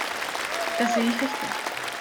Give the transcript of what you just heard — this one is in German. Das sehe ich richtig.